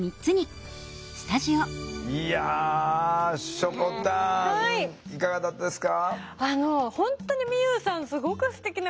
いやしょこたんいかがだったですか？